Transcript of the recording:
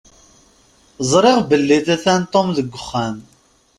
Ẓriɣ belli atan Tom deg wexxam.